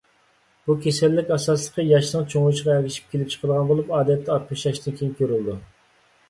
بۇ كېسەللىك ئاساسلىقى ياشنىڭ چوڭىيىشىغا ئەگىشىپ كېلىپ چىقىدىغان بولۇپ، ئادەتتە ئاتمىش ياشتىن كېيىن كۆرۈلىدۇ.